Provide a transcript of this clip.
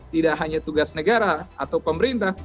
tidak hanya tugas negara atau pemerintah